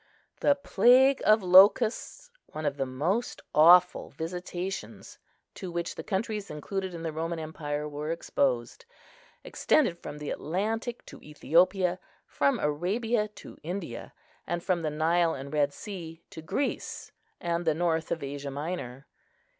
The plague of locusts, one of the most awful visitations to which the countries included in the Roman empire were exposed, extended from the Atlantic to Ethiopia, from Arabia to India, and from the Nile and Red Sea to Greece and the north of Asia Minor.